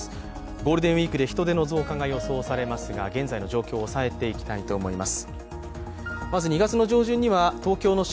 ゴールデンウイークで人出の増加が予想されますが、現在の状況を押さえていきたいと思います。